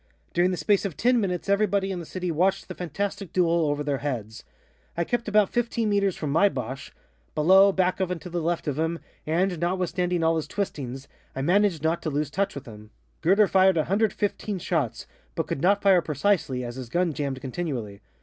During the space of ten minutes everybody in the city watched the fantastic duel over their heads. I kept about fifteen meters from my Boche below, back of and to the left of him, and, notwithstanding all his twistings, I managed not to lose touch with him. Guerder fired 115 shots, but could not fire precisely, as his gun jammed continually.